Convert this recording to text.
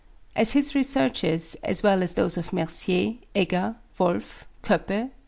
As his researches, as well as those of Mercier, Egger, Wolff, Koeppe, v.